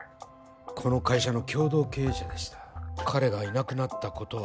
この会社の共同経営者でした彼がいなくなったことは